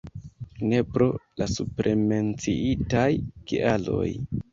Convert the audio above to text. Ne, pro la supremenciitaj kialoj.